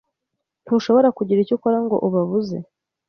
Ntushobora kugira icyo ukora ngo ubabuze?